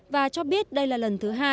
và cho biết đây là lần thứ hai